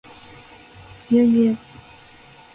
牛乳